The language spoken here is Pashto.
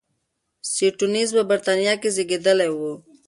سټيونز په بریتانیا کې زېږېدلی و.